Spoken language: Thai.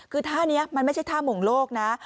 คือท่านี้มันไม่ใช่ท่ามงโลกนะ